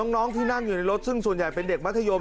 น้องที่นั่งอยู่ในรถซึ่งส่วนใหญ่เป็นเด็กมัธยม